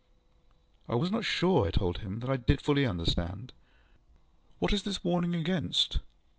ŌĆØ I was not sure, I told him, that I did fully understand. ŌĆ£What is its warning against?